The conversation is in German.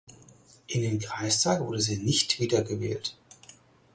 In den Kreistag wurde sie nicht wieder gewählt.